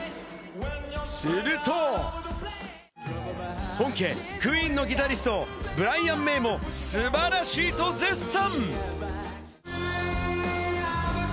すると本家クイーンのギタリスト、ブライアン・メイも素晴らしいと絶賛。